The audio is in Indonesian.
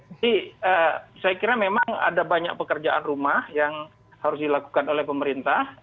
jadi saya kira memang ada banyak pekerjaan rumah yang harus dilakukan oleh pemerintah